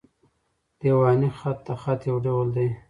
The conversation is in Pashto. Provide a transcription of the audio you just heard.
دېواني خط؛ د خط یو ډول دﺉ.